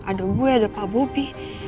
ada gue ada pak bobi